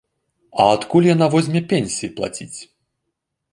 А адкуль яна возьме пенсіі плаціць?